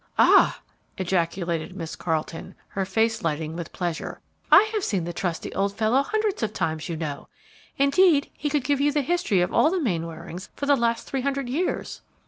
"Ah!" ejaculated Miss Carleton, her face lighting with pleasure; "I have seen the trusty old fellow hundreds of times, you know. Indeed, he could give you the history of all the Mainwarings for the last three hundred years."